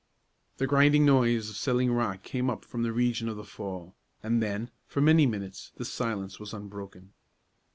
The grinding noise of settling rock came up from the region of the fall, and then, for many minutes, the silence was unbroken.